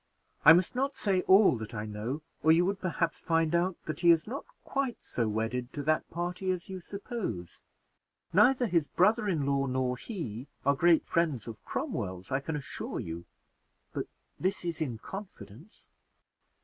"I must not say all that I know, or you would, perhaps, find out that he is not quite so wedded to that party as you suppose. Neither his brother in law nor he are great friends of Cromwell's, I can assure you; but this is in confidence."